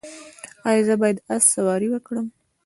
ایا زه باید اس سواري وکړم؟